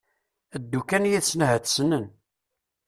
Ddu kan yid-sen ahat ssnen.